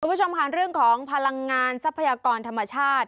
คุณผู้ชมค่ะเรื่องของพลังงานทรัพยากรธรรมชาติ